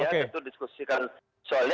kita diskusikan soalnya